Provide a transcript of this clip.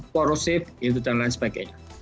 korupif itu dan lain sebagainya